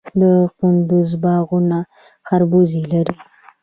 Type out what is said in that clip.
د کندز باغونه خربوزې لري.